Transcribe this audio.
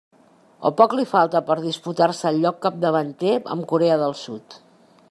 O poc li falta per disputar-se el lloc capdavanter amb Corea del Sud.